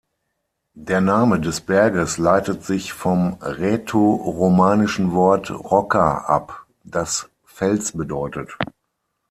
Der Name des Berges leitet sich vom rätoromanischen Wort "rocca" ab, das „Fels“ bedeutet.